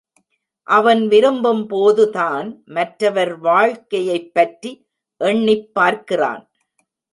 அவன் விரும்பும் போது தான் மற்றவர் வாழ்க்கையைப் பற்றி எண்ணிப் பார்க்கிறான்.